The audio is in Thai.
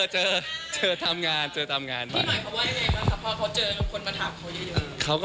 เจอเจอทำงาน